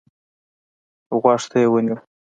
غوږ ته يې ونيو.